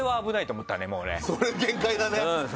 それ限界だね！